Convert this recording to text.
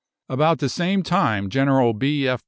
About the same time, General B. F.